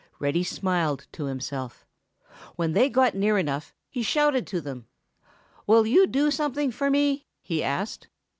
Reddy smiled to himself. When they got near enough, he shouted to them. "Will you do something for me?" he asked.